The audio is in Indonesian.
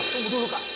tunggu dulu kak